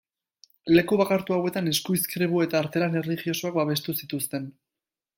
Leku bakartu hauetan eskuizkribu eta artelan erlijiosoak babestu zituzten.